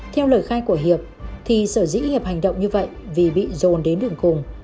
theo lời khai của hiệp thì sở dĩ hiệp hành động như vậy vì bị dồn đến đường cùng